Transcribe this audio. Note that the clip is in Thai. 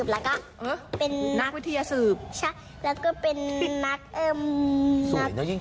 แล้วมายูอยากเป็นนักอะไรคะ